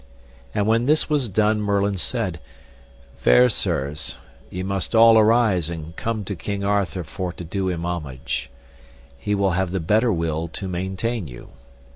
And when this was done Merlin said, Fair sirs, ye must all arise and come to King Arthur for to do him homage; he will have the better will to maintain you.